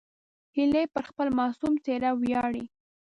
هیلۍ پر خپل معصوم څېره ویاړي